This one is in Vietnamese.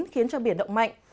khiến cho biển động mạnh